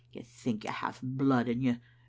You think you have blood in you.